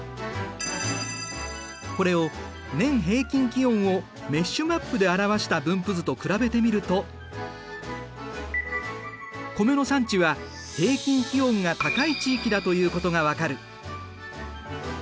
これを年平均気温をメッシュマップで表した分布図と比べてみると米の産地は平均気温が高い地域だということが分かる。